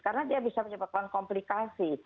karena dia bisa menyebabkan komplikasi